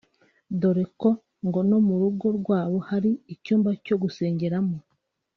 dore ko ngo no mu rugo rwabo hari icyumba cyo gusengeramo